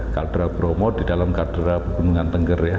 kaldera bromo di dalam kaldera pegunungan tengger ya